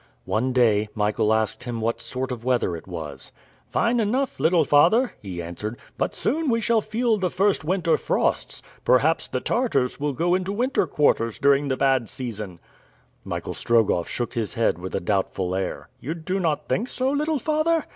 One day, Michael asked him what sort of weather it was. "Fine enough, little father," he answered, "but soon we shall feel the first winter frosts. Perhaps the Tartars will go into winter quarters during the bad season." Michael Strogoff shook his head with a doubtful air. "You do not think so, little father?"